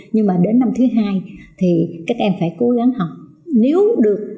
nhưng mà đến năm thứ hai thì các em phải cố gắng học